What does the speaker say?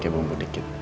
kayak bumbu dikit